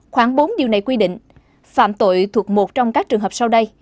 khoảng bốn điều này quy định phạm tội thuộc một trong các trường hợp sau đây